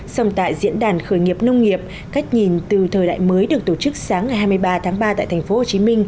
song tại diễn đàn khởi nghiệp nông nghiệp cách nhìn từ thời đại mới được tổ chức sáng ngày hai mươi ba tháng ba tại tp hcm